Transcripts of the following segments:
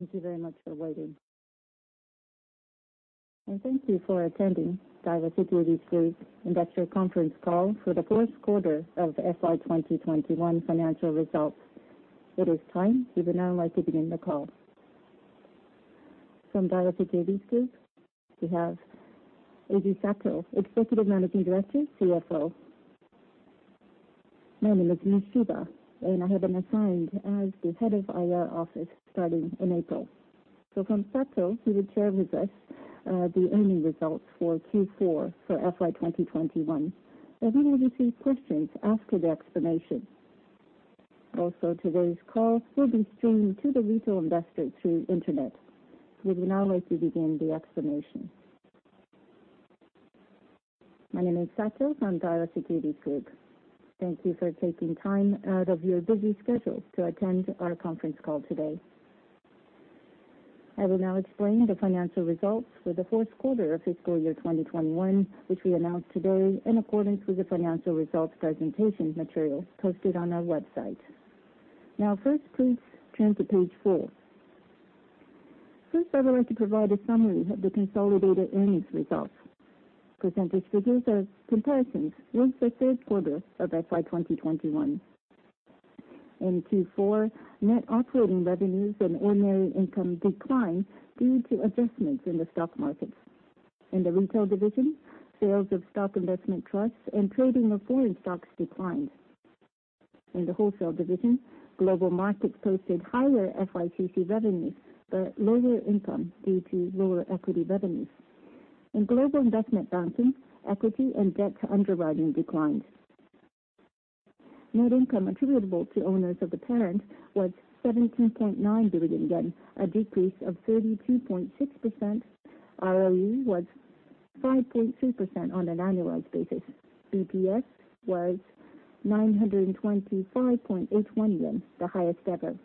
Thank you very much for waiting. Thank you for attending Daiwa Securities Group Investor Conference call for the fourth quarter of FY 2021 financial results. It is time. We would now like to begin the call. From Daiwa Securities Group, we have Eiji Sato, Executive Managing Director, CFO. My name is Mishiba, and I have been assigned as the Head of IR Office starting in April. From Sato, he will share with us the earnings results for Q4 for FY 2021, and then we will take questions after the explanation. Also, today's call will be streamed to the Retail investors through internet. We would now like to begin the explanation. My name is Sato from Daiwa Securities Group. Thank you for taking time out of your busy schedule to attend our conference call today. I will now explain the financial results for the fourth quarter of fiscal year 2021, which we announced today in accordance with the financial results presentation material posted on our website. Now first, please turn to page four. First, I would like to provide a summary of the consolidated earnings results. Percentage figures of comparison with the third quarter of FY 2021. In Q4, net operating revenues and ordinary income declined due to adjustments in the stock markets. In the Retail division, sales of stock investment trusts and trading of foreign stocks declined. In the wholesale division, global markets posted higher FICC revenues, but lower income due to lower equity revenues. In global investment banking, equity and debt underwriting declined. Net income attributable to owners of the parent was 17.9 billion yen, a decrease of 32.6%. ROE was 5.3% on an annualized basis. BPS was 925.81 yen, the highest ever.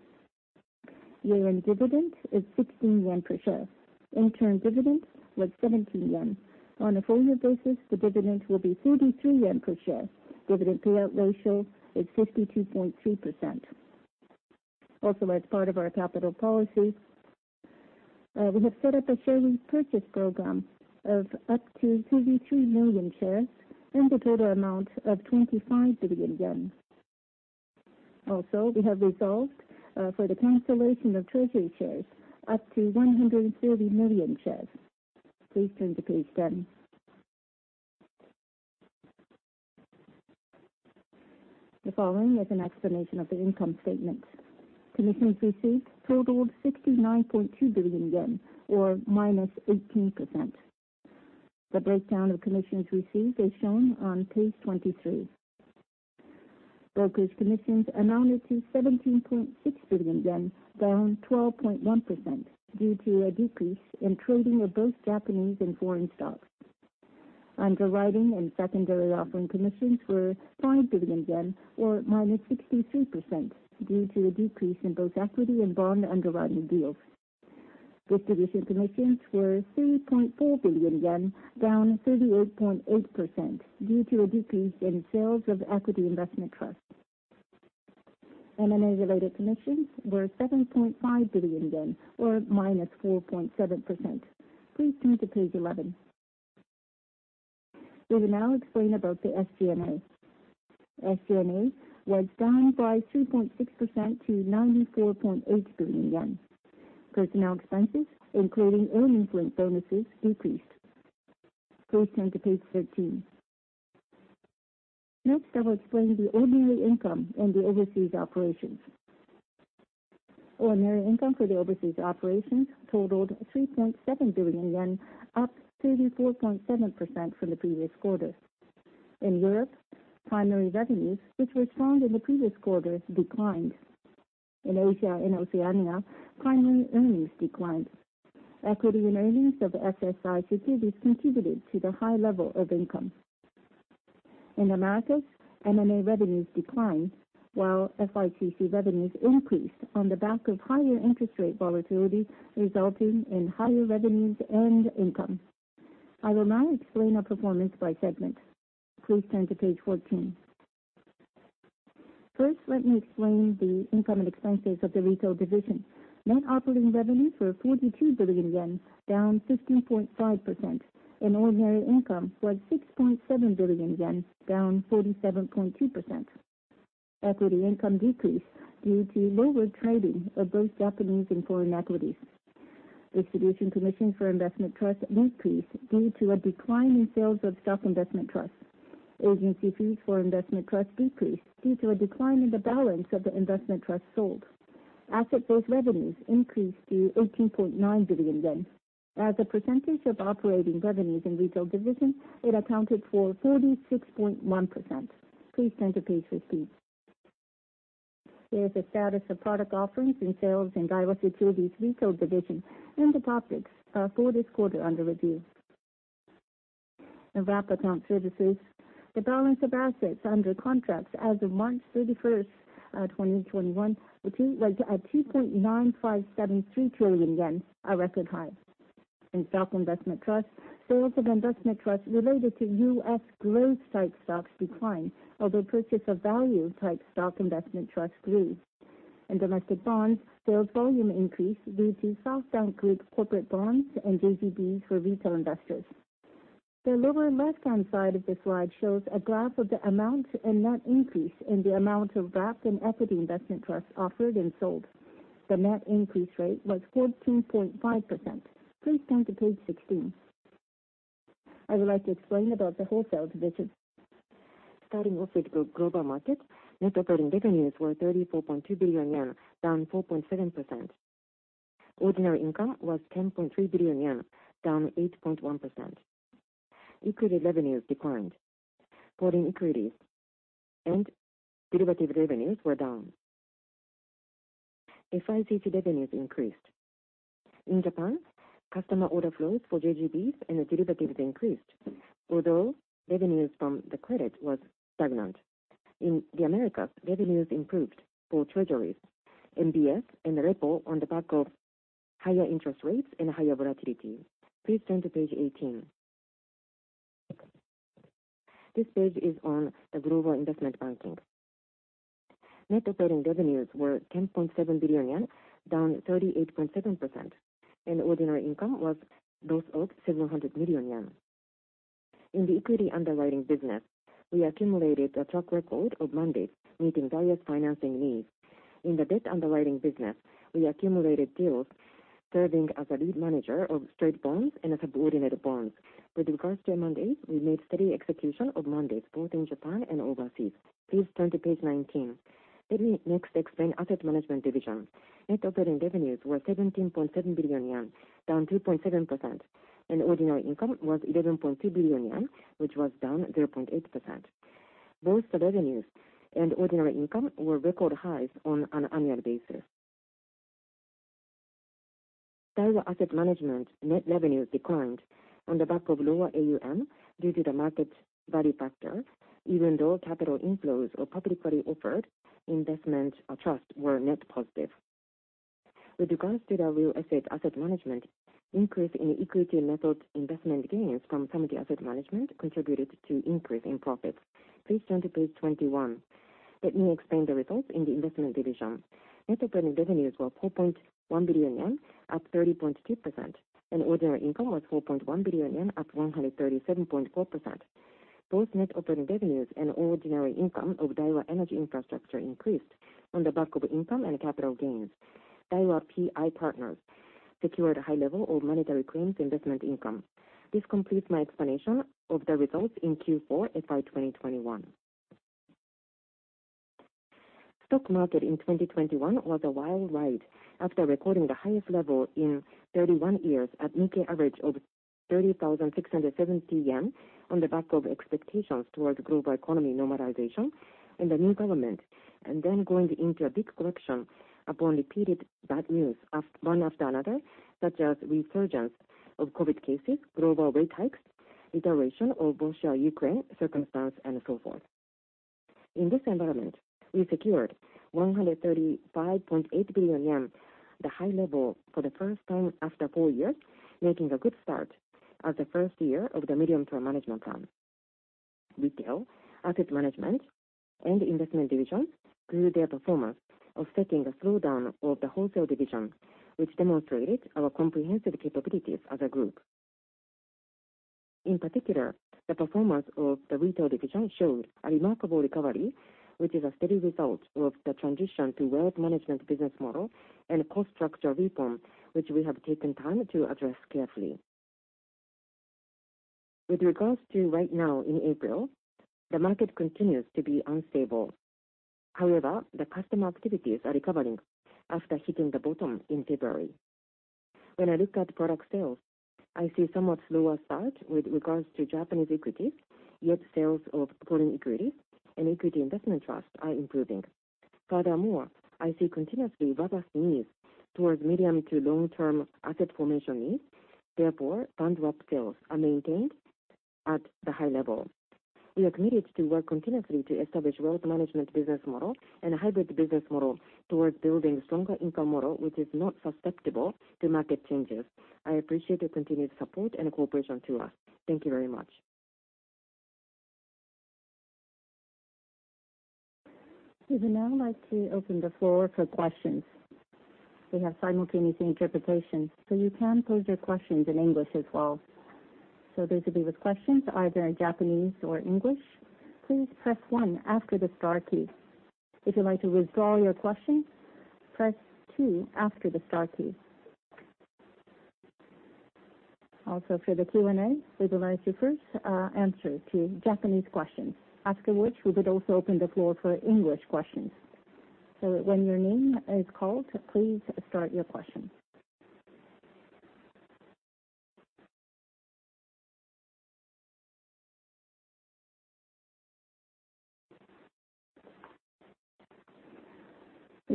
Year-end dividend is 16 yen per share. Interim dividend was 17 yen. On a full year basis, the dividend will be 33 yen per share. Dividend payout ratio is 52.2%. Also, as part of our capital policy, we have set up a share repurchase program of up to 33 million shares and a total amount of 25 billion yen. Also, we have resolved for the cancellation of treasury shares up to 130 million shares. Please turn to page 10. The following is an explanation of the income statement. Commissions received totaled JPY 69.2 billion or -18%. The breakdown of commissions received is shown on page 23. Brokers' commissions amounted to 17.6 billion yen, down 12.1% due to a decrease in trading of both Japanese and foreign stocks. Underwriting and secondary offering commissions were 5 billion yen or minus 63% due to a decrease in both equity and bond underwriting deals. Distribution commissions were 3.4 billion yen, down 38.8% due to a decrease in sales of equity investment trust. M&A-related commissions were 7.5 billion yen or -4.7%. Please turn to page 11. We will now explain about the SG&A. SG&A was down by 2.6% to 94.8 billion yen. Personnel expenses, including earnings-linked bonuses, decreased. Please turn to page 13. Next, I will explain the ordinary income in the overseas operations. Ordinary income for the overseas operations totaled 3.7 billion yen, up 34.7% from the previous quarter. In Europe, primary revenues, which were strong in the previous quarter, declined. In Asia and Oceania, primary earnings declined. Equity and earnings of Daiwa Securities contributed to the high level of income. In Americas, M&A revenues declined, while FICC revenues increased on the back of higher interest rate volatility, resulting in higher revenues and income. I will now explain our performance by segment. Please turn to page 14. First, let me explain the income and expenses of the Retail division. Net operating revenue was 42 billion yen, down 15.5%, and ordinary income was 6.7 billion yen, down 47.2%. Equity income decreased due to lower trading of both Japanese and foreign equities. Distribution commission for investment trust increased due to a decline in sales of stock investment trust. Agency fees for investment trust decreased due to a decline in the balance of the investment trust sold. Asset-based revenues increased to 18.9 billion yen. As a percentage of operating revenues in Retail division, it accounted for 46.1%. Please turn to page 15. Here is the status of product offerings and sales in Daiwa Securities Retail division and the topics for this quarter under review. In wrap account services, the balance of assets under contracts as of March 31st, 2021 was at 2.9573 trillion yen, a record high. In stock investment trust, sales of investment trust related to U.S. growth type stocks declined, although purchase of value type stock investment trust grew. In domestic bonds, sales volume increased due to SoftBank Group corporate bonds and JGBs for Retail investors. The lower left-hand side of the slide shows a graph of the amount and net increase in the amount of wrap and equity investment trusts offered and sold. The net increase rate was 14.5%. Please turn to page 16. I would like to explain about the wholesale division. Starting off with global market, net operating revenues were 34.2 billion yen, down 4.7%. Ordinary income was 10.3 billion yen, down 8.1%. Equity revenues declined. Foreign equities and derivatives revenues were down. FICC revenues increased. In Japan, customer order flows for JGBs and derivatives increased, although revenues from the credit was stagnant. In the Americas, revenues improved for treasuries, MBS, and repo on the back of higher interest rates and higher volatility. Please turn to page 18. This page is on the global investment banking. Net operating revenues were 10.7 billion yen, down 38.7%, and ordinary income was a loss of 700 million yen. In the equity underwriting business, we accumulated a track record of mandates meeting various financing needs. In the debt underwriting business, we accumulated deals serving as a lead manager of straight bonds and subordinate bonds. With regards to mandates, we made steady execution of mandates both in Japan and overseas. Please turn to page 19. Let me next explain Asset Management Division. Net operating revenues were 17.7 billion yen, down 2.7%, and ordinary income was 11.2 billion yen, which was down 0.8%. Both the revenues and ordinary income were record highs on an annual basis. Daiwa Asset Management net revenues declined on the back of lower AUM due to the market value factor, even though capital inflows or publicly offered investment trust were net positive. With regards to the real estate Asset Management, increase in equity method investment gains from some of the Asset Management contributed to increase in profits. Please turn to page 21. Let me explain the results in the investment division. Net operating revenues were 4.1 billion yen, up 30.2%, and ordinary income was 4.1 billion yen, up 137.4%. Both net operating revenues and ordinary income of Daiwa Energy & Infrastructure increased on the back of income and capital gains. Daiwa PI Partners secured a high level of monetary claims investment income. This completes my explanation of the results in Q4 FY2021. Stock market in 2021 was a wild ride after recording the highest level in 31 years at Nikkei Average of 30,670 yen on the back of expectations towards global economy normalization and the new government, and then going into a big correction upon repeated bad news one after another, such as resurgence of COVID cases, global rate hikes, deterioration of Russia-Ukraine circumstance, and so forth. In this environment, we secured 135.8 billion yen, the high level for the first time after four years, making a good start as the first year of the medium-term management plan. Retail, Asset Management, and Investment divisions grew their performance, offsetting a slowdown of the wholesale division, which demonstrated our comprehensive capabilities as a group. In particular, the performance of the Retail division showed a remarkable recovery, which is a steady result of the transition to wealth management business model and cost structure reform, which we have taken time to address carefully. With regard to right now in April, the market continues to be unstable. However, the customer activities are recovering after hitting the bottom in February. When I look at product sales, I see somewhat slower start with regard to Japanese equities, yet sales of foreign equities and equity investment trusts are improving. Furthermore, I see continuously robust needs towards medium to long-term asset formation needs, therefore, fund wrap sales are maintained at the high level. We are committed to work continuously to establish wealth management business model and a hybrid business model towards building stronger income model, which is not susceptible to market changes. I appreciate your continued support and cooperation to us. Thank you very much. We would now like to open the floor for questions. We have simultaneous interpretation, so you can pose your questions in English as well. Those of you with questions, either in Japanese or English, please press one after the star key. If you'd like to withdraw your question, press two after the star key. Also, for the Q&A, we would like to first answer to Japanese questions, after which we would also open the floor for English questions. When your name is called, please start your question.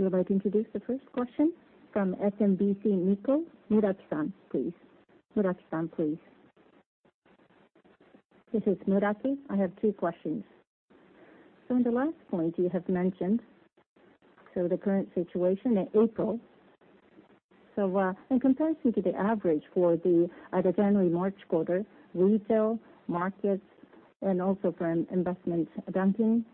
We would like to introduce the first question from SMBC Nikko, Muraki-san, please. This is Muraki. I have two questions. In the last point you have mentioned, the current situation in April. In comparison to the average for the other January-March quarter, Retail markets and also from investment banking.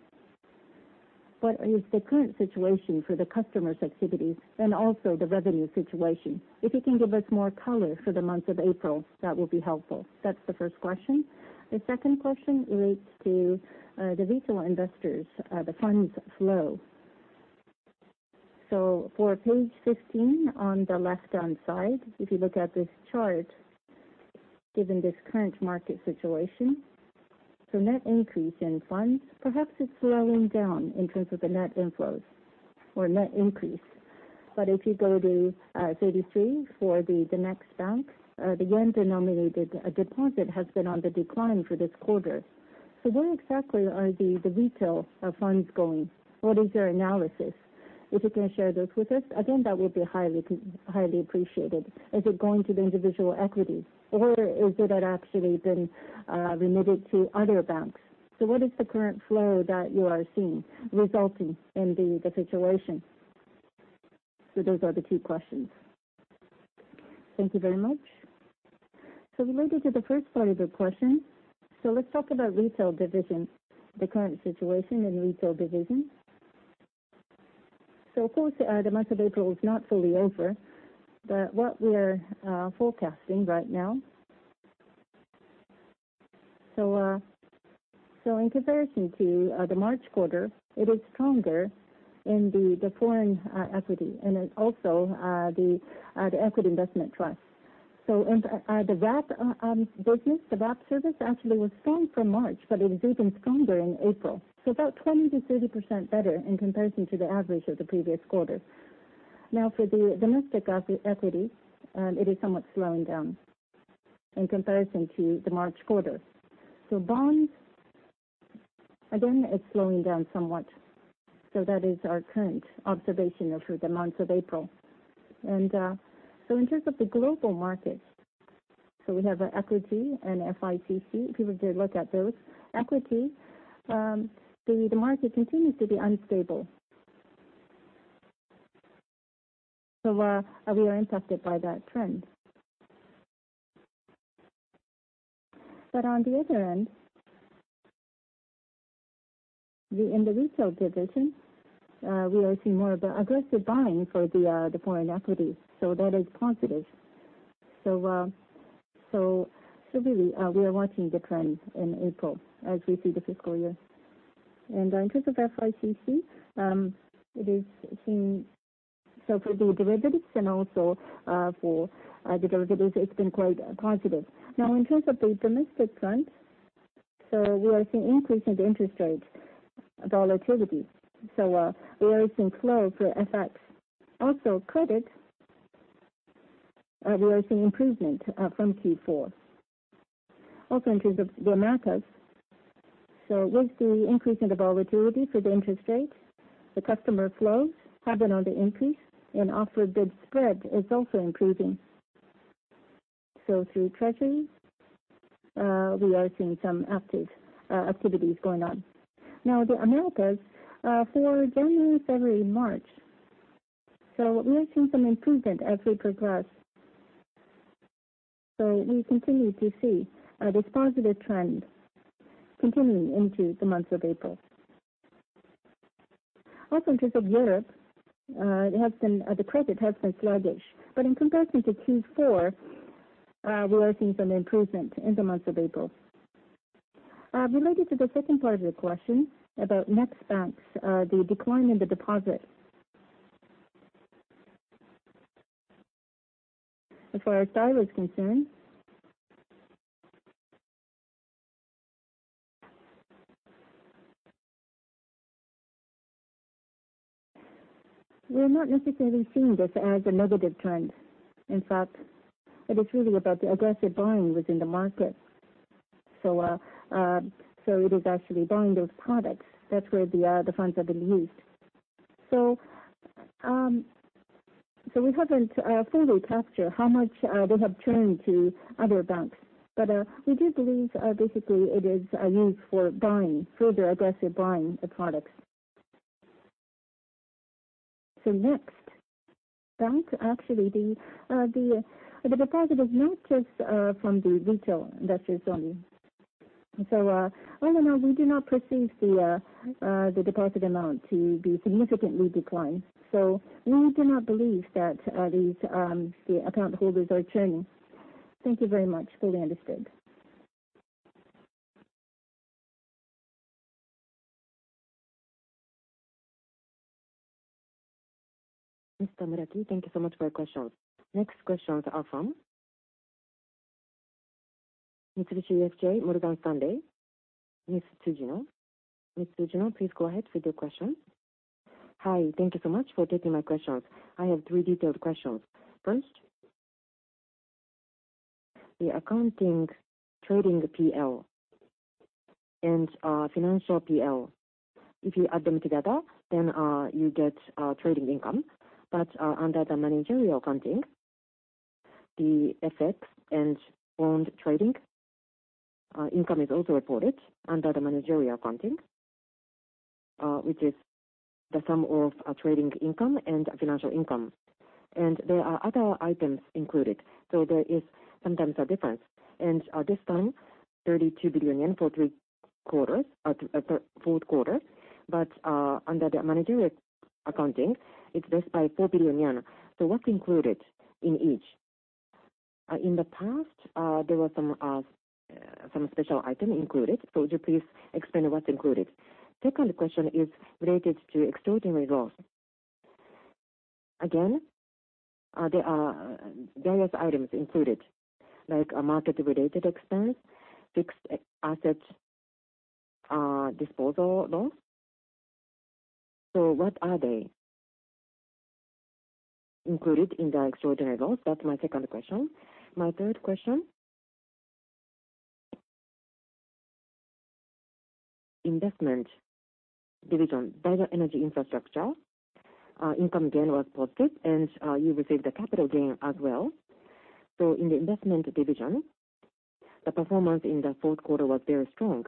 What is the current situation for the customer's activities and also the revenue situation? If you can give us more color for the month of April, that will be helpful. That's the first question. The second question relates to the Retail investors, the funds flow. For page 15 on the left-hand side, if you look at this chart, given this current market situation, so net increase in funds, perhaps it's slowing down in terms of the net inflows or net increase. If you go to page 33 for the Daiwa Next Bank, the yen-denominated deposit has been on the decline for this quarter. Where exactly are the Retail funds going? What is your analysis? If you can share those with us, again, that would be highly appreciated. Is it going to the individual equities or is it had actually been remitted to other banks? What is the current flow that you are seeing resulting in the situation? Those are the two questions. Thank you very much. Related to the first part of your question. Let's talk about Retail division, the current situation in Retail division. Of course, the month of April is not fully over, but what we are forecasting right now. In comparison to the March quarter, it is stronger in the foreign equity and in also the equity investment trust. In the wrap business, the wrap service actually was strong for March, but it is even stronger in April. About 20%-30% better in comparison to the average of the previous quarter. Now, for the domestic equity, it is somewhat slowing down in comparison to the March quarter. Bonds, again, it's slowing down somewhat. That is our current observation for the month of April. In terms of the global market, we have equity and FICC. If you would look at those. Equity, the market continues to be unstable. We are impacted by that trend. But on the other hand, in the Retail division, we are seeing more of the aggressive buying for the foreign equity. That is positive. Really, we are watching the trend in April as we see the fiscal year. In terms of FICC, it is seeing. For the derivatives, it's been quite positive. Now, in terms of the domestic front, we are seeing increase in the interest rate volatility. We are seeing flow for FX. Also credit, we are seeing improvement from Q4. Also, in terms of the Americas, with the increase in the volatility for the interest rates, the customer flows have been on the increase and bid-offer spread is also improving. Through treasury, we are seeing some active activities going on. Now the Americas, for January, February, March, we are seeing some improvement as we progress. We continue to see this positive trend continuing into the month of April. In terms of Europe, the credit has been sluggish, but in comparison to Q4, we are seeing some improvement in the month of April. Related to the second part of your question about Next Bank, the decline in the deposit. As far as I was concerned, we're not necessarily seeing this as a negative trend. In fact, it is really about the aggressive buying within the market. It is actually buying those products. That's where the funds are being used. We haven't fully captured how much they have turned to other banks. We do believe basically it is used for buying, further aggressive buying the products. Next Bank, actually, the deposit is not just from the retail investors only. All in all, we do not perceive the deposit amount to be significantly declined. We do not believe that these account holders are churning. Thank you very much. Fully understood. Mr. Muraki, thank you so much for your questions. Next questions are from Mitsubishi UFJ Morgan Stanley. Ms. Tsujino. Ms. Tsujino, please go ahead with your questions. Hi. Thank you so much for taking my questions. I have three detailed questions. First, the accounting trading PL and financial PL, if you add them together, then you get trading income. Under the managerial accounting, the FX and bond trading income is also reported under the managerial accounting, which is the sum of trading income and financial income. There are other items included. There is sometimes a difference. This time 32 billion yen for three quarters, for fourth quarter. Under the managerial accounting, it's raised by 4 billion yen. What's included in each? In the past, there was some special item included. Would you please explain what's included? Second question is related to extraordinary loss. Again, there are various items included, like a market-related expense, fixed assets, disposal loss. What are they included in the extraordinary loss? That's my second question. My third question, investment division, Daiwa Energy & Infrastructure, income gain was posted, and you received a capital gain as well. In the investment division, the performance in the fourth quarter was very strong.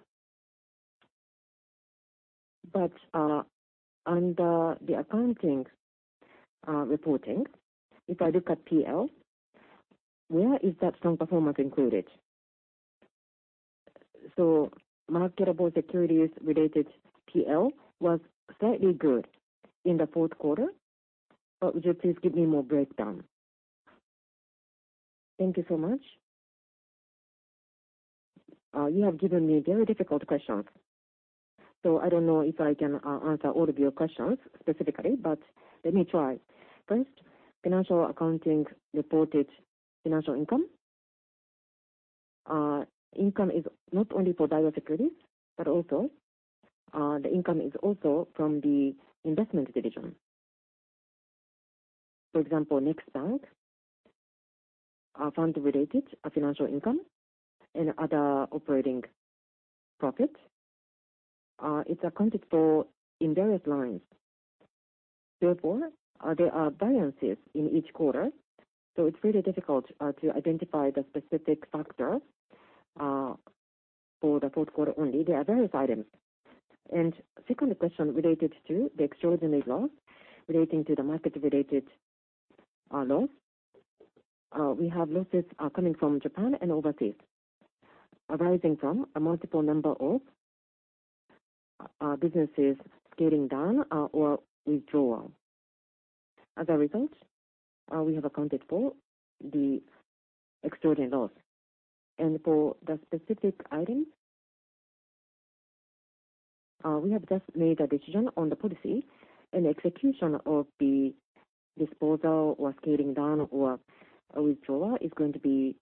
Under the accounting reporting, if I look at PL, where is that strong performance included? Marketable securities related PL was slightly good in the fourth quarter. Would you please give me more breakdown? Thank you so much. You have given me very difficult questions, so I don't know if I can answer all of your questions specifically, but let me try. First, financial accounting reported financial income. Income is not only for Daiwa Securities, but also, the income is also from the Investment division. For example, Daiwa Next Bank, fund-related financial income and other operating profit, it's accounted for in various lines. Therefore, there are variances in each quarter, so it's really difficult to identify the specific factors for the fourth quarter only. There are various items. Second question related to the extraordinary loss relating to the market-related loss. We have losses coming from Japan and overseas arising from a multiple number of businesses scaling down or withdrawal. As a result, we have accounted for the extraordinary loss. For the specific items, we have just made a decision on the policy and execution of the disposal or scaling down or a withdrawal is going to be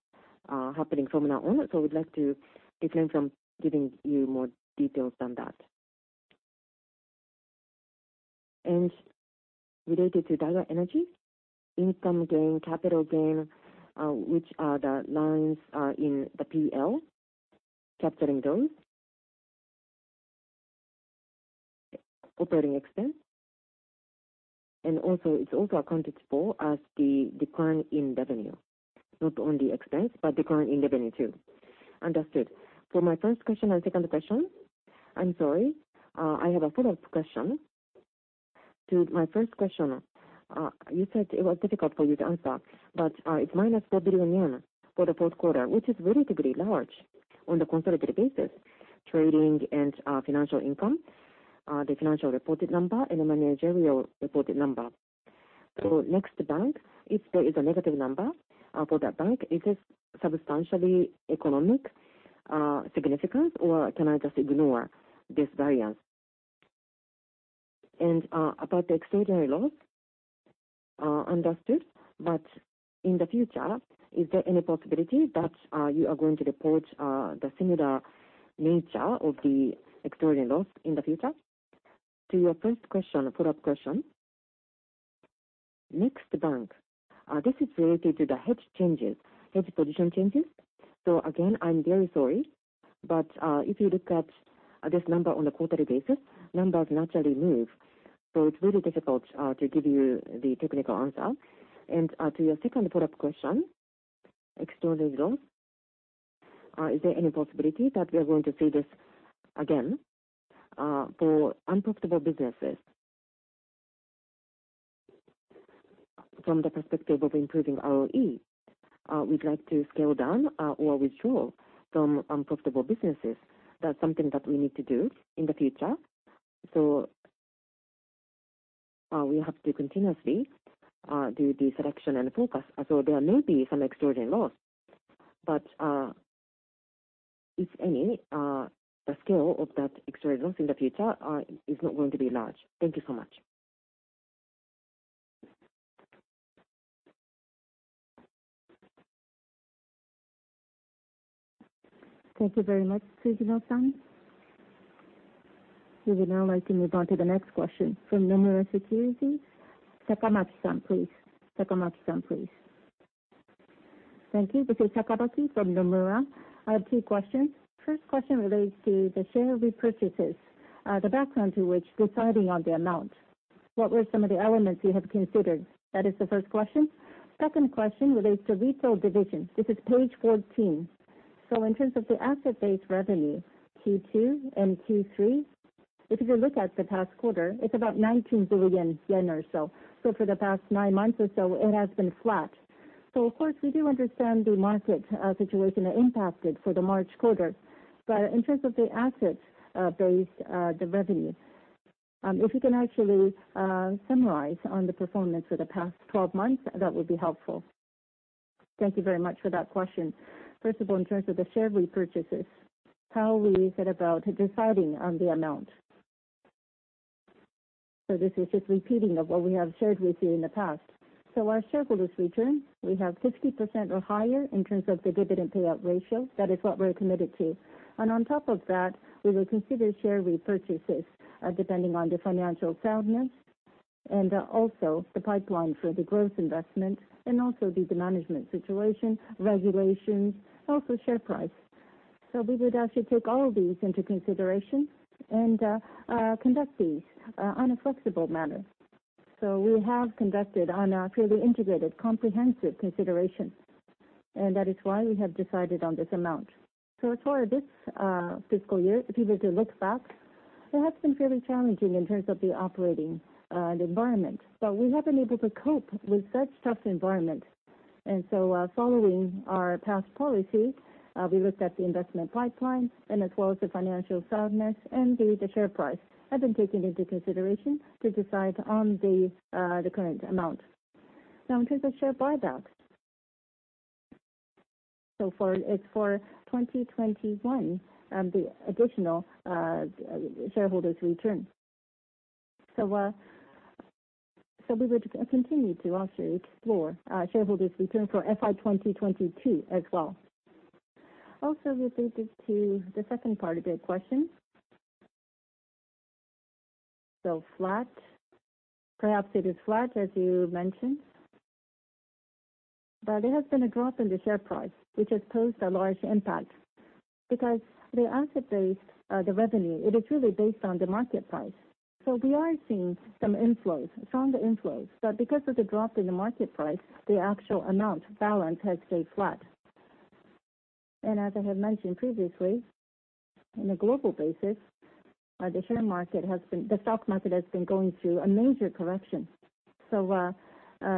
happening from now on. We'd like to decline from giving you more details on that. Related to Daiwa Energy income gain, capital gain, which are the lines in the PL capturing those. Operating expense, and also it's also accounted for as the decline in revenue, not only expense, but decline in revenue too. Understood. For my first question and second question, I'm sorry. I have a follow-up question to my first question. You said it was difficult for you to answer, but it's -4 billion yen for the fourth quarter, which is relatively large on the consolidated basis, trading and financial income, the financial reported number and the managerial reported number. Daiwa Next Bank, if there is a negative number for that bank, is this substantial economic significance, or can I just ignore this variance? About the extraordinary loss, understood, but in the future, is there any possibility that you are going to report the similar nature of the extraordinary loss in the future? To your first question, follow-up question. Daiwa Next Bank, this is related to the hedge position changes. Again, I'm very sorry, but if you look at this number on a quarterly basis, numbers naturally move, so it's really difficult to give you the technical answer. To your second follow-up question, extraordinary loss, is there any possibility that we are going to see this again? For unprofitable businesses, from the perspective of improving ROE, we'd like to scale down or withdraw from unprofitable businesses. That's something that we need to do in the future. We have to continuously do the selection and focus. There may be some extraordinary loss, but if any, the scale of that extraordinary loss in the future is not going to be large. Thank you so much. Thank you very much, Tsujino-san. We would now like to move on to the next question. From Nomura Securities, Sakamaki-san, please. Sakamaki-san, please. Thank you. This is Naruhiko Sakamaki from Nomura. I have two questions. First question relates to the share repurchases, the background to which deciding on the amount. What were some of the elements you have considered? That is the first question. Second question relates to Retail division. This is page 14. In terms of the asset-based revenue, Q2 and Q3, if you look at the past quarter, it's about 19 billion yen or so. For the past nine months or so, it has been flat. Of course, we do understand the market situation that impacted for the March quarter. In terms of the asset-based revenue, if you can actually summarize on the performance for the past 12 months, that would be helpful. Thank you very much for that question. First of all, in terms of the share repurchases, how we set about deciding on the amount. This is just repeating of what we have shared with you in the past. Our shareholders return, we have 50% or higher in terms of the dividend payout ratio. That is what we're committed to. On top of that, we will consider share repurchases depending on the financial soundness and also the pipeline for the growth investment and also the management situation, regulations, also share price. We would actually take all these into consideration and conduct these on a flexible manner. We have conducted on a fairly integrated, comprehensive consideration, and that is why we have decided on this amount. As for this fiscal year, if you were to look back, it has been fairly challenging in terms of the operating environment, but we have been able to cope with such tough environment. Following our past policy, we looked at the investment pipeline and as well as the financial soundness and the share price have been taken into consideration to decide on the current amount. Now in terms of share buybacks, it's for 2021, the additional shareholders' return. We would continue to also explore shareholders' return for FY 2022 as well. Also relating to the second part of your question. Flat. Perhaps it is flat, as you mentioned, but there has been a drop in the share price, which has posed a large impact because the asset base, the revenue, it is really based on the market price. We are seeing some inflows, stronger inflows. Because of the drop in the market price, the actual amount balance has stayed flat. As I have mentioned previously, on a global basis, the stock market has been going through a major correction. The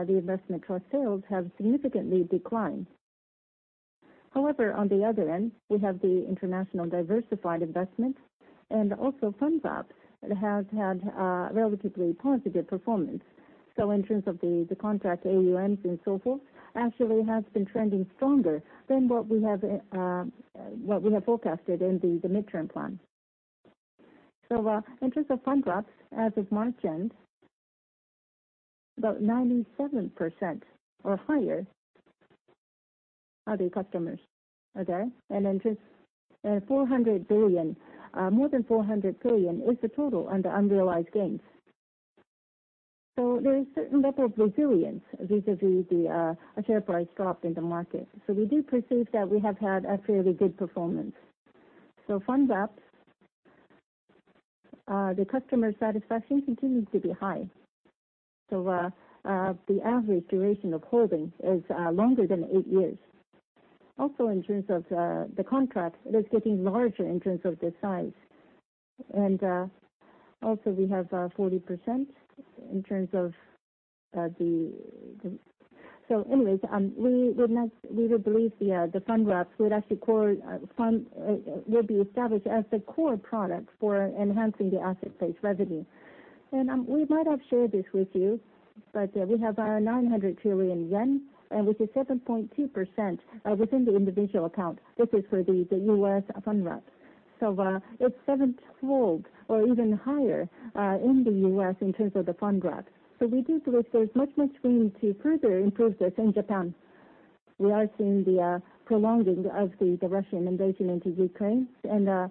investment trust sales have significantly declined. However, on the other end, we have the international diversified investment and also fund wrap that has had relatively positive performance. In terms of the contract AUMs and so forth, actually has been trending stronger than what we have forecasted in the midterm plan. In terms of fund wrap, as of March end, about 97% or higher are the customers, okay? In terms, more than 400 billion is the total under unrealized gains. There is certain level of resilience vis-a-vis the share price drop in the market. We do perceive that we have had a fairly good performance. Fund wrap, the customer satisfaction continues to be high. The average duration of holding is longer than eight years. Also, in terms of the contract, it is getting larger in terms of the size. Also we have 40% in terms of the... Anyways, we would believe the fund wrap would actually core fund would be established as the core product for enhancing the asset base revenue. We might have shared this with you, but we have 900 billion yen, which is 7.2% within the individual account. This is for the U.S. fund wrap. It's sevenfold or even higher in the U.S. in terms of the fund wrap. We do believe there's much room to further improve this in Japan. We are seeing the prolonging of the Russian invasion into Ukraine and there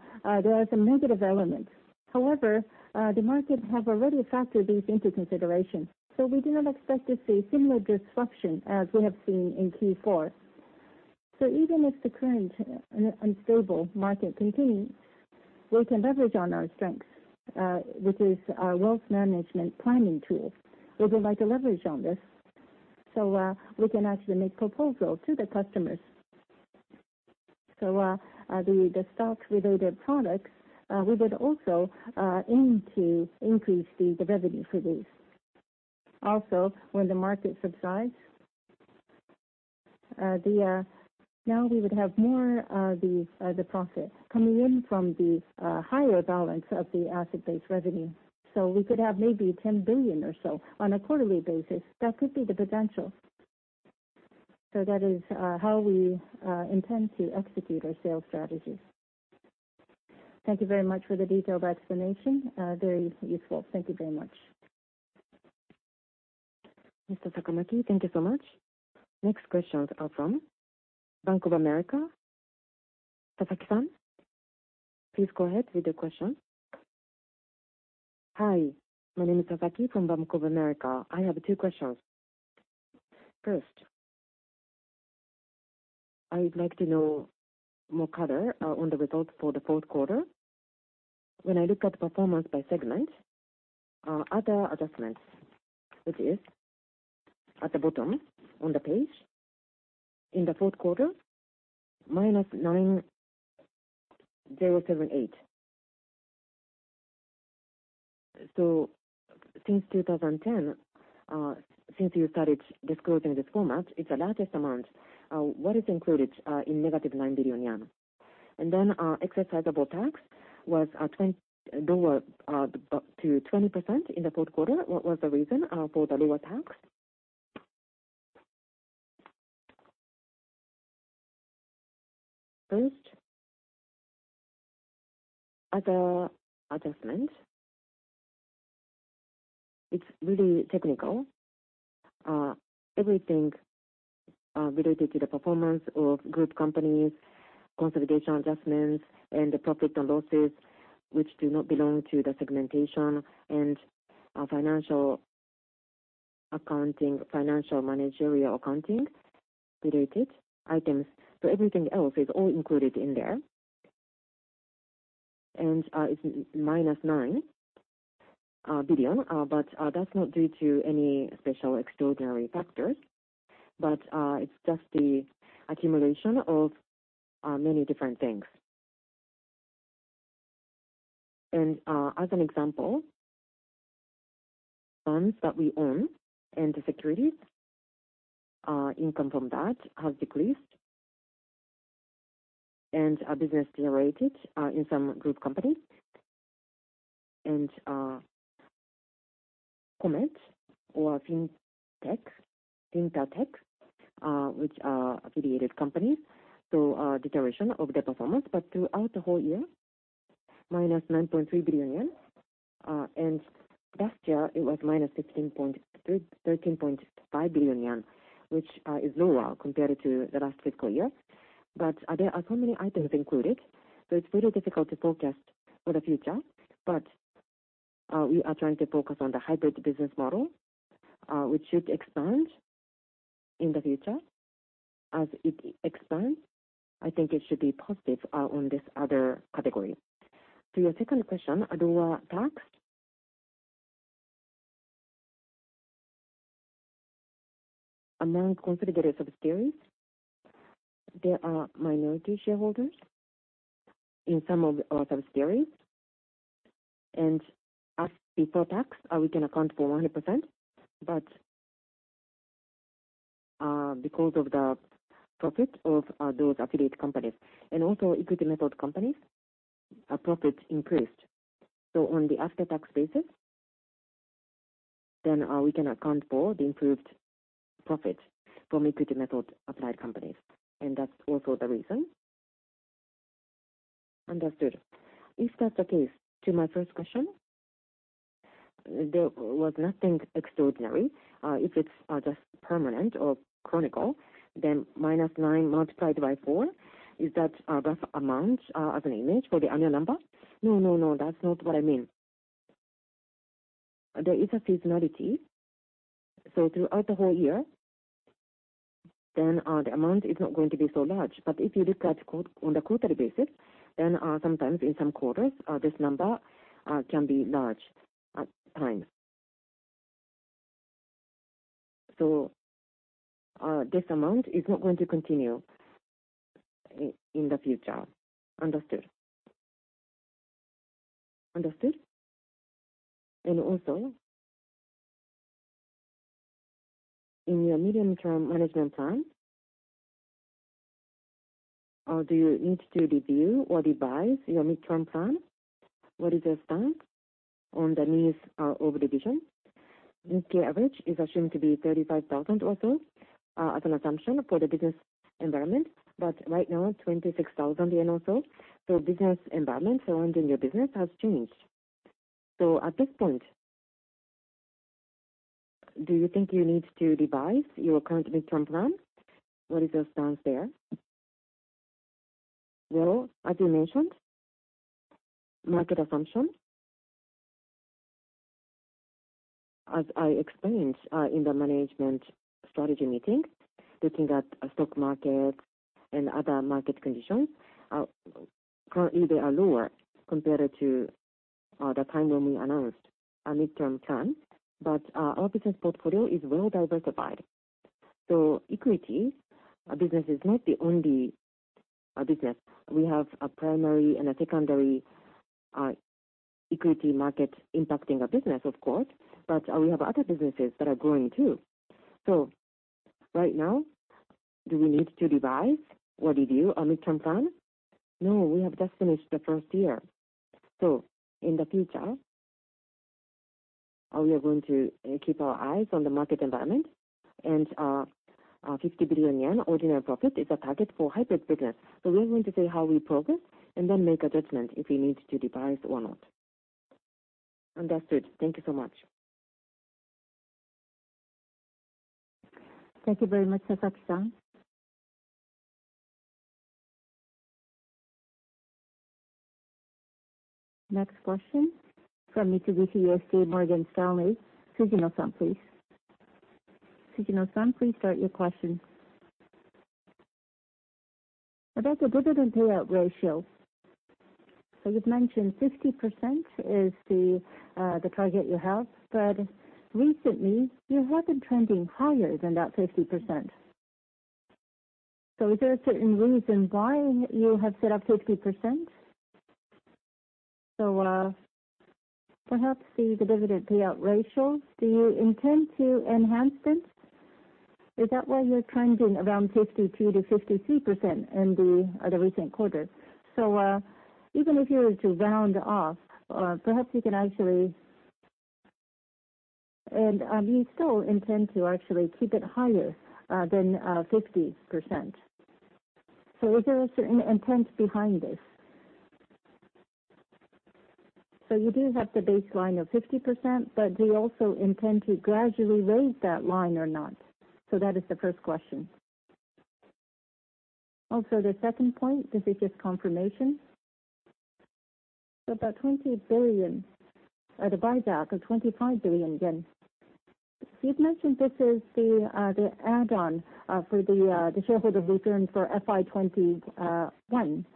are some negative elements. However, the market have already factored these into consideration, so we do not expect to see similar disruption as we have seen in Q4. Even if the current unstable market continues, we can leverage on our strengths, which is our wealth management planning tool. We would like to leverage on this, we can actually make proposal to the customers. The stock related products, we would also aim to increase the revenue for these. Also, when the market subsides, now we would have more, the profit coming in from the higher balance of the asset-based revenue. We could have maybe 10 billion or so on a quarterly basis. That could be the potential. That is how we intend to execute our sales strategy. Thank you very much for the detailed explanation. Very useful. Thank you very much. Mr. Sakamaki, thank you so much. Next questions are from Bank of America. Sasaki-san, please go ahead with the question. Hi, my name is Sasaki from Bank of America. I have two questions. First, I would like to know more color on the results for the fourth quarter. When I look at performance by segment, other adjustments, which is at the bottom of the page in the fourth quarter, -9,078. Since 2010, since you started disclosing this format, it's the largest amount. What is included in -9 billion yen? And then, effective tax was lower up to 20% in the fourth quarter. What was the reason for the lower tax? First, other adjustments. It's really technical. Everything related to the performance of group companies, consolidation adjustments and the profit and losses which do not belong to the segmentation and financial accounting, financial managerial accounting related items. Everything else is all included in there. It's -9 billion. That's not due to any special extraordinary factors, it's just the accumulation of many different things. As an example, funds that we own and the securities income from that has decreased and our business deteriorated in some group companies and comments or fintech which are affiliated companies. Deterioration of the performance. Throughout the whole year, -9.3 billion yen, and last year it was -13.5 billion yen, which is lower compared to the last fiscal year. There are so many items included, so it's a little difficult to forecast for the future. We are trying to focus on the hybrid business model, which should expand in the future. As it expands, I think it should be positive on this other category. To your second question, lower tax. Among consolidated subsidiaries, there are minority shareholders in some of our subsidiaries. And as before tax, we can account for 100%, but because of the profit of those affiliate companies and also equity method companies, our profit increased. So on the after-tax basis, then, we can account for the improved profit from equity method applied companies. And that's also the reason. Understood. If that's the case, to my first question, there was nothing extraordinary. If it's just permanent or chronic, then -9 multiplied by four, is that a rough amount as an imagine for the annual number? No, that's not what I mean. There is a seasonality, so throughout the whole year, the amount is not going to be so large. If you look at it on the quarterly basis, then sometimes in some quarters this number can be large at times. This amount is not going to continue in the future. Understood. In your medium-term management plan, do you need to review or revise your midterm plan? What is your stance on the needs of division? This year average is assumed to be 35,000 or so as an assumption for the business environment, but right now it's 26,000 yen or so. Business environment surrounding your business has changed. At this point, do you think you need to revise your current midterm plan? What is your stance there? Well, as you mentioned, market assumption. As I explained in the management strategy meeting, looking at stock market and other market conditions, currently they are lower compared to the time when we announced a midterm plan. But our business portfolio is well diversified. Equity business is not the only business. We have a primary and a secondary equity market impacting our business of course, but we have other businesses that are growing too. Right now, do we need to revise or review our midterm plan? No, we have just finished the first year. In the future, we are going to keep our eyes on the market environment. 50 billion yen ordinary profit is a target for hybrid business. We are going to see how we progress and then make adjustment if we need to revise or not. Understood. Thank you so much. Thank you very much, Sasaki. Next question from Mitsubishi UFJ Morgan Stanley. Tsujino-san, please start your question. About the dividend payout ratio. You've mentioned 50% is the target you have. Recently, you have been trending higher than that 50%. Is there a certain reason why you have set up 50%? Perhaps the dividend payout ratio, do you intend to enhance it? Is that why you're trending around 52%-53% in the recent quarter? You still intend to actually keep it higher than 50%. Is there a certain intent behind this? You do have the baseline of 50%, but do you also intend to gradually raise that line or not? That is the first question. Also, the second point, this is just confirmation. The 20 billion, the buyback of 25 billion yen. You've mentioned this is the add-on for the shareholder return for FY 2021.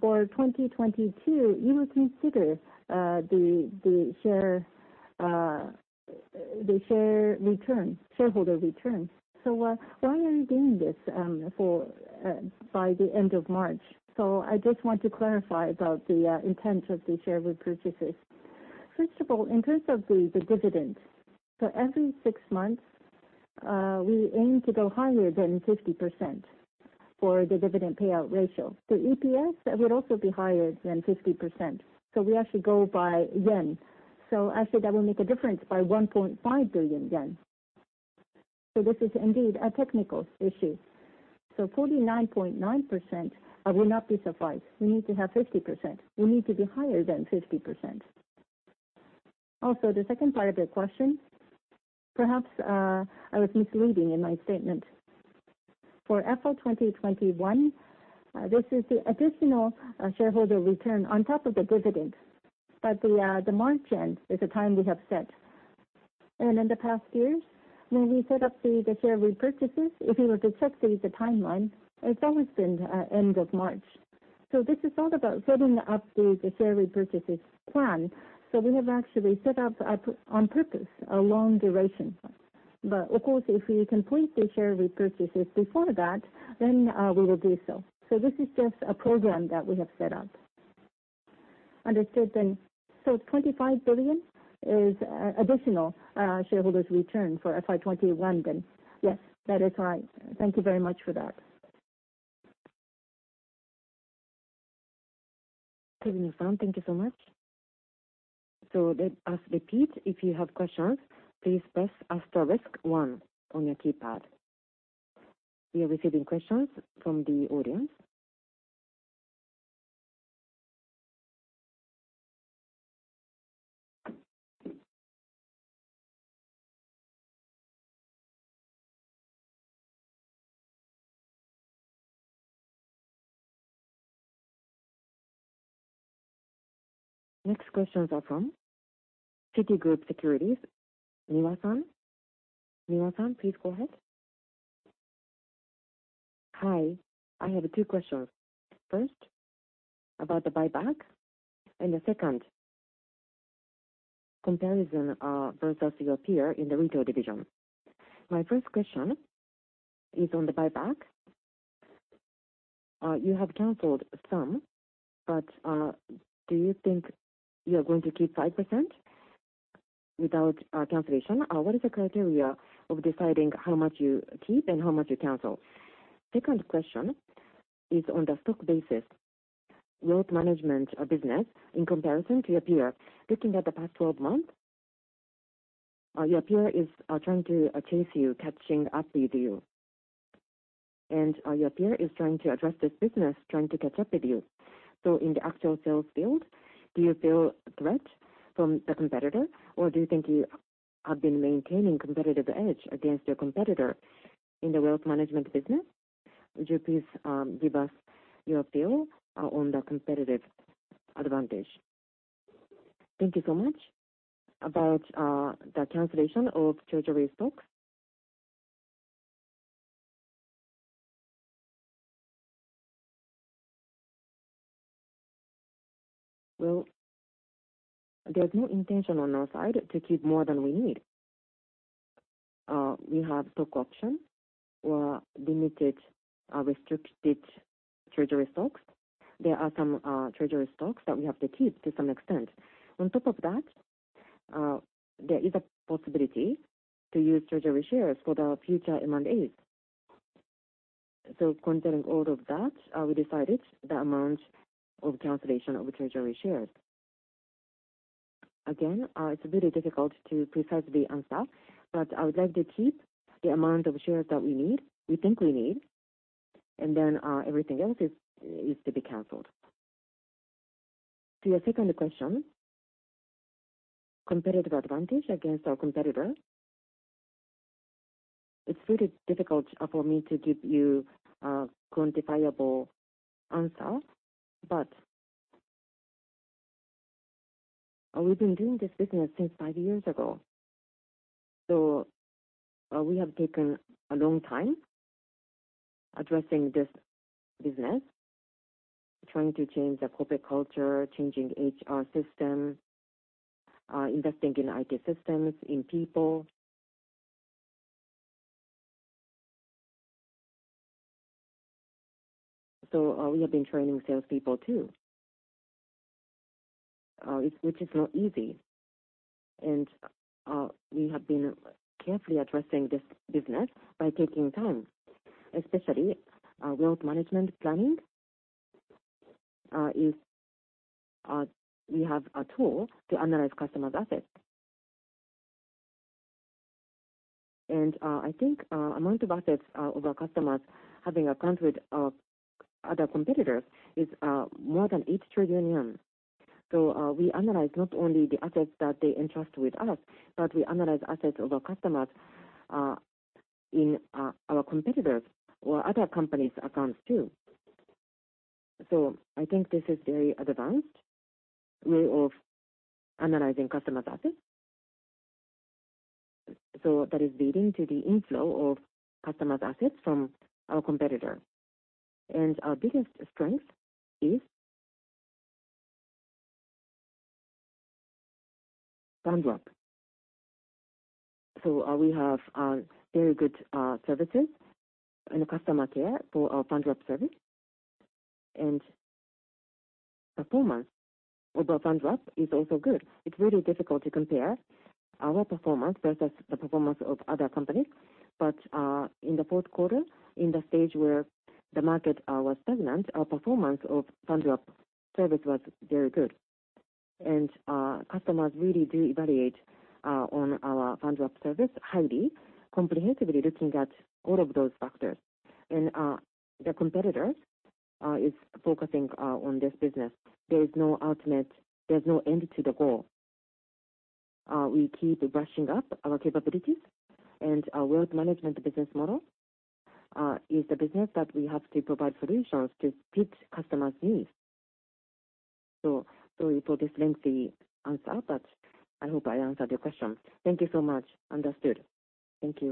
For 2022, you will consider the shareholder return. Why are you doing this by the end of March? I just want to clarify about the intent of the share repurchases. First of all, in terms of the dividend, every six months, we aim to go higher than 50% for the dividend payout ratio. The EPS would also be higher than 50%, so we actually go by yen. I said that will make a difference by 1.5 billion yen. This is indeed a technical issue. 49.9% will not suffice. We need to have 50%. We need to be higher than 50%. Also, the second part of your question, perhaps, I was misleading in my statement. For FY 2021, this is the additional shareholder return on top of the dividend. But the end of March is the time we have set. In the past years, when we set up the share repurchases, if you were to check the timeline, it's always been end of March. This is all about setting up the share repurchases plan. We have actually set up, on purpose, a long duration. But of course, if we complete the share repurchases before that, then we will do so. This is just a program that we have set up. Understood then. 25 billion is additional shareholders return for FY2021 then? Yes. That is right. Thank you very much for that. Thank you so much. Let us repeat. If you have questions, please press asterisk one on your keypad. We are receiving questions from the audience. Next questions are from Citigroup Securities. Miwa-san. Miwa-san, please go ahead. Hi. I have two questions. First, about the buyback, and the second, comparison versus your peer in the Retail division. My first question is on the buyback. You have canceled some, but do you think you are going to keep 5% without cancellation? What is the criteria of deciding how much you keep and how much you cancel? Second question is on the stock business, wealth management business in comparison to your peer. Looking at the past 12 months, your peer is trying to chase you, catching up with you. Your peer is trying to address this business, trying to catch up with you. In the actual sales field, do you feel a threat from the competitor, or do you think you have been maintaining competitive edge against your competitor in the wealth management business? Would you please give us your feel on the competitive advantage? Thank you so much. About the cancellation of treasury stock. Well, there's no intention on our side to keep more than we need. We have stock option or limited, restricted treasury stocks. There are some treasury stocks that we have to keep to some extent. On top of that, there is a possibility to use treasury shares for the future M&A. Considering all of that, we decided the amount of cancellation of treasury shares. Again, it's a little difficult to precisely answer. I would like to keep the amount of shares that we need, we think we need, and then, everything else is to be canceled. To your second question, competitive advantage against our competitor. It's really difficult for me to give you a quantifiable answer, but we've been doing this business since five years ago. We have taken a long time addressing this business, trying to change the corporate culture, changing HR system, investing in IT systems, in people. We have been training sales people too, which is not easy. We have been carefully addressing this business by taking time, especially wealth management planning, we have a tool to analyze customers' assets. I think amount of assets of our customers having account with other competitors is more than 8 trillion yen. We analyze not only the assets that they entrust with us, but we analyze assets of our customers in our competitors or other companies' accounts too. I think this is very advanced way of analyzing customers' assets. That is leading to the inflow of customers' assets from our competitor. Our biggest strength is fund wrap. We have very good services in customer care for our fund wrap service. Performance of our fund wrap is also good. It's really difficult to compare our performance versus the performance of other companies. In the fourth quarter, in the stage where the market was stagnant, our performance of fund wrap service was very good. Customers really do evaluate on our fund wrap service highly, comprehensively looking at all of those factors. The competitors is focusing on this business. There's no end to the goal. We keep brushing up our capabilities, and our wealth management business model is the business that we have to provide solutions to fit customers' needs. Sorry for this lengthy answer, but I hope I answered your question. Thank you so much. Understood. Thank you.